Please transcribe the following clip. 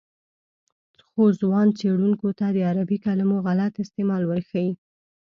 خو ځوانو څېړونکو ته د عربي کلمو غلط استعمال ورښيي.